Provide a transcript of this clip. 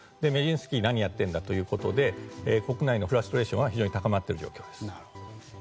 メジンスキーは何をしているんだということで国内のフラストレーションは高まっている状況です。